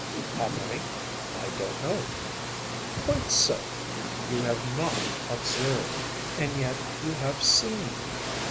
‚ÄĚ “How many? I don’t know.‚ÄĚ “Quite so! You have not observed. And yet you have seen.